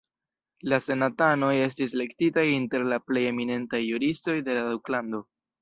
La senatanoj estis elektitaj inter la plej eminentaj juristoj de la duklando.